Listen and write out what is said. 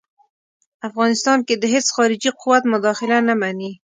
افغانستان کې د هیڅ خارجي قوت مداخله نه مني.